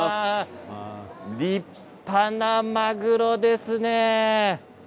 立派なマグロですね。